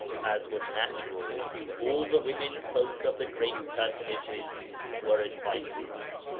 As was natural, all the women folk of the great personages were invited.